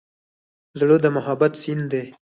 زړه د محبت سیند دی.